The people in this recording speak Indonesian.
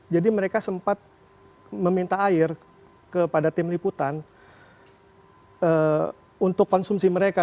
jadi mereka sempat meminta air kepada tim liputan untuk konsumsi mereka